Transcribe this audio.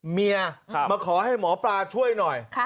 เมียมาขอให้หมอปลาช่วยหน่อย